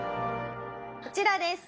こちらです。